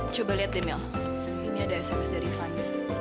coba lihat demail ini ada sms dari van